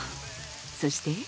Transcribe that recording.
そして。